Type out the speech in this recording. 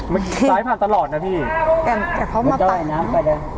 เมื่อกี้ซ้ายผ่านตลอดน่ะพี่แก่งเขามาตัำ